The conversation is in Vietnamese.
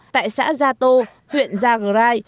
tại xã gia tô huyện gia gai